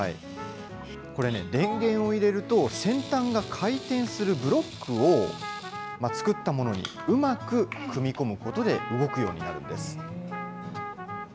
これね、電源を入れると、先端が回転するブロックを作ったものにうまく組み込むことで動くようになるんです。